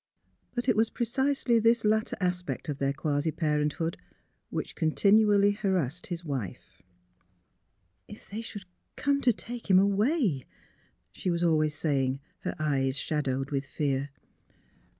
But it was precisely this latter aspect of their quasi parenthood which continually harassed his wife. 327 328 THE HEART OF PHILURA " If tliey should come to take him away," she was always saying, her eyes shadowed with fear.